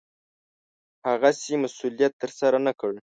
هغسې مسوولت ترسره نه کړ.